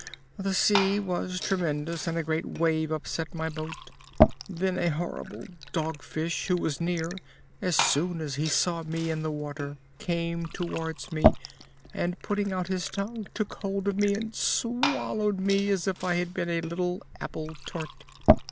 The sea was tremendous and a great wave upset my boat. Then a horrible Dog Fish, who was near, as soon as he saw me in the water, came towards me, and, putting out his tongue, took hold of me and swallowed me as if I had been a little apple tart."